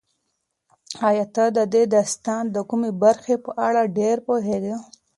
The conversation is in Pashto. ایا ته د دې داستان د کومې برخې په اړه ډېر پوهېږې؟